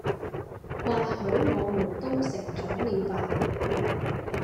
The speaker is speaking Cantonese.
或許我們都成長了吧